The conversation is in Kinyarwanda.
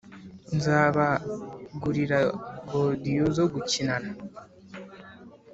nzaba gurira godiyo zo gukinana